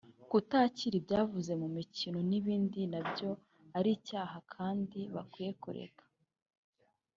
kutakira ibyavuye mu mukino n’ibindi nabyo ari icyaha kandi bakwiye kureka